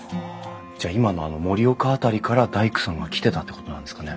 じゃあ今の盛岡辺りから大工さんが来てたってことなんですかね。